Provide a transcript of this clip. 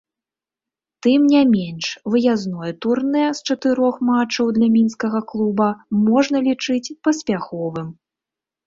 Тым не менш выязное турнэ з чатырох матчаў для мінскага клуба можна лічыць паспяховым.